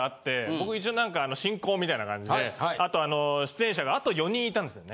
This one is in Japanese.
僕一応なんか進行みたいな感じであと出演者があと４人いたんですよね。